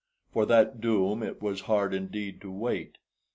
For that doom it was hard indeed to wait.